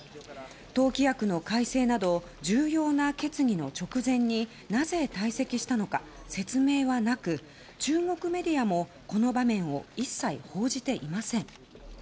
党規約の改正など重要な決議の直前になぜ退席したのか説明はなく中国メディアもこの場面を一切報じていません。